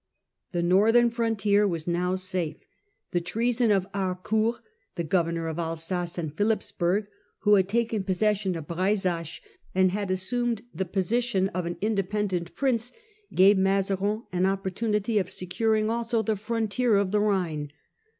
The northern frontier was now safe. The treason of Harcourt, the governor of Alsace and Philippsburg, who Security of had taken possession of Breisach, and had the frontiers. assumec i the position of an independent prince, gave Mazarin an opportunity of securing also the frontier of the Rhine.